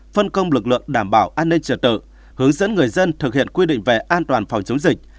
phân công lực lượng đảm bảo an ninh trở tự hướng dẫn người dân thực hiện quy định về an toàn phòng chống dịch